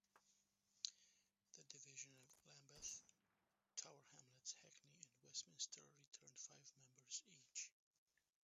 The divisions of Lambeth, Tower Hamlets, Hackney and Westminster returned five members each.